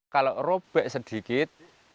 kalau robek sedikit